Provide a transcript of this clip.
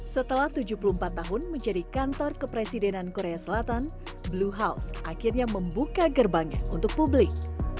setelah tujuh puluh empat tahun menjadi kantor kepresidenan korea selatan blue house akhirnya membuka gerbangnya untuk publik